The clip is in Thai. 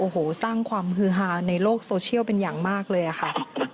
โอ้โหสร้างความฮือฮาในโลกโซเชียลเป็นอย่างมากเลยค่ะ